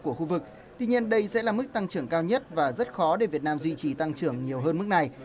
của khu vực tuy nhiên đây sẽ là mức tăng trưởng cao nhất và rất khó để việt nam duy trì tăng trưởng nhiều hơn mức này